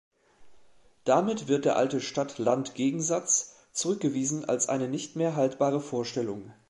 Damit wird der alte Stadt-Land-Gegensatz zurückgewiesen als eine nicht mehr haltbare Vorstellung.